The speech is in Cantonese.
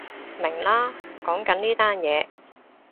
明喇，講緊呢單嘢